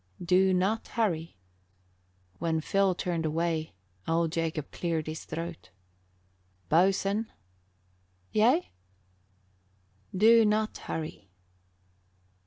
"Do not hurry." When Phil turned away, old Jacob cleared his throat. "Boatswain " "Yea?" "Do not hurry."